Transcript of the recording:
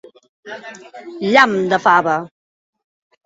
Llamp de fava!